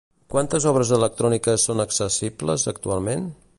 Quantes obres electròniques són accessibles actualment?